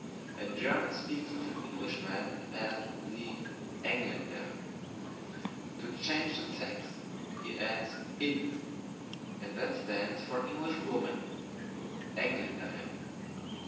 A German speaks of an Englishman as the ENGLÄNNDER; to change the sex, he adds INN, and that stands for Englishwoman ENGLÄNDERINN.